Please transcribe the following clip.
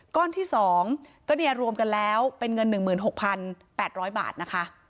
ก้อนที่สองก็เนี่ยรวมกันแล้วเป็นเงินหนึ่งหมื่นหกพันแปดร้อยบาทนะคะ